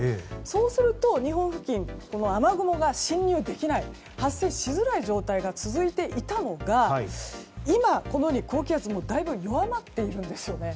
そうすると、日本付近は雨雲が進入できない発生しづらい状態が続いていたのが今、高気圧もだいぶ弱まっているんですよね。